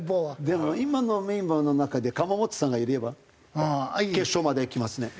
でも今のメンバーの中で釜本さんがいれば決勝までいきますね。